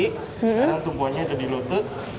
sekarang tumpuannya ada di lutut